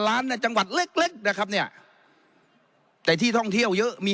ล้านในจังหวัดเล็กเล็กนะครับเนี่ยแต่ที่ท่องเที่ยวเยอะมี